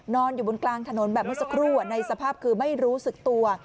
นอนอยู่บนกลางถนนแบบเมื่อสักครู่ในสภาพคือไม่รู้สึกตัว